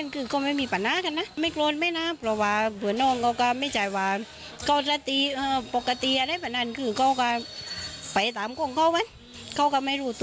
เขาก็ไม่รู้ตัวแบบนั้นเลย